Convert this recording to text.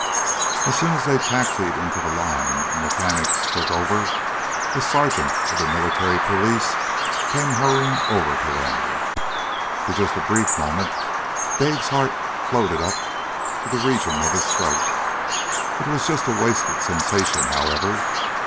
As soon as they taxied into the line and mechanics took over, a sergeant of the Military Police came hurrying over to them. For just a brief moment Dave's heart floated up to the region of his throat. It was just a wasted sensation, however.